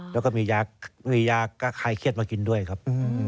แล้วก็มียามียาก็คลายเครียดมากินด้วยครับ